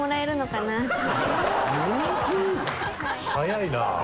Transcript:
早いなあ。